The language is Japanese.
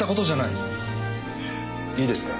いいですか？